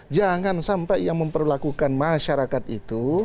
jangan sampai yang memperlakukan masyarakat itu